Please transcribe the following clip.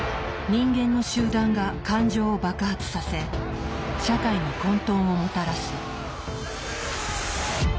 人間の集団が感情を爆発させ社会に混沌をもたらす。